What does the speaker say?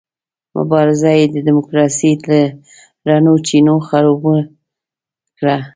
مبارزه یې د ډیموکراسۍ له رڼو چینو خړوبه کړه.